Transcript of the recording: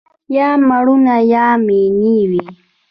یا مېړونه یا ماينې وي